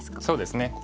そうですね。